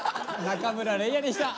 中村嶺亜でした。